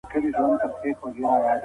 قصاص د عدالت د تامین لپاره دی.